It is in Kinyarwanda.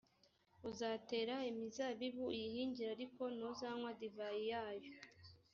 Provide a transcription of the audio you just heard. uzatera imizabibu uyihingire, ariko ntuzanywa divayi yayo;